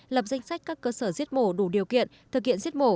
lập danh sách các cơ sở giết mổ đủ điều kiện thực hiện giết mổ